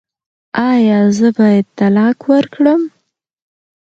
ایا زه باید طلاق ورکړم؟